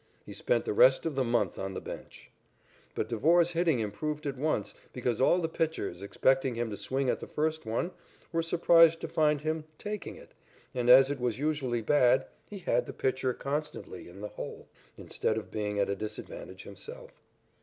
He spent the rest of the month on the bench. But Devore's hitting improved at once because all the pitchers, expecting him to swing at the first one, were surprised to find him "taking it" and, as it was usually bad, he had the pitcher constantly "in the hole," instead of being at a disadvantage himself.